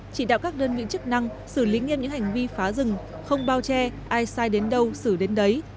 chỉ đạo các đơn vị chức năng xử lý nghiêm những hành vi phá rừng không bao che ai sai đến đâu xử đến đấy